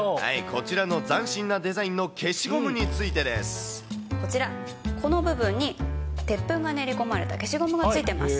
こちらの斬新なデザインの消こちら、この部分に鉄粉が練り込まれた消しゴムがついてます。